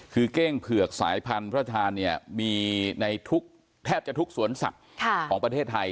คือเก้งเผือกสายพันธุ์พระธานเนี่ยมีในทุกแทบจะทุกสวนสัตว์ของประเทศไทย